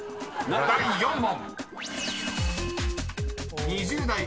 ［第４問］